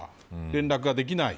連絡ができない。